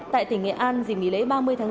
tại tỉnh nghệ an dịp nghỉ lễ ba mươi tháng bốn